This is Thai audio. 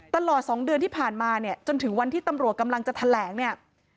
ตลอด๒เดือนที่ผ่านมาเนี่ยจนถึงวันที่ตำรวจกำลังจะแถลงเนี่ย